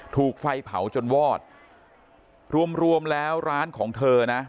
ถูกไฟเผาจนวอดรวมรวมแล้วร้านของเธอนะ